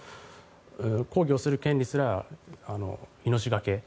抗議をする権利すら命懸け。